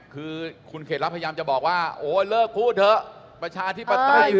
คือคุณเขตรับพยายามจะบอกว่าโอ้เลิกพูดเถอะประชาธิปไตย